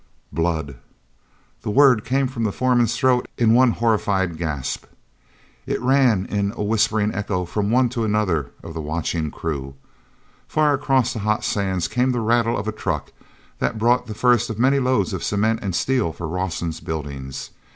"Blood!" The word came from the foreman's throat in one horrified gasp. It ran in a whispering echo from one to another of the watching crew. From far across the hot sands came the rattle of a truck that brought the first of many loads of cement and steel for Rawson's buildings.